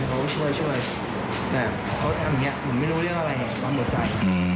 แบบพ่อจะทำอย่างนี้ไม่รู้เรื่องอะไรเพื่อปั๊มหัวใจ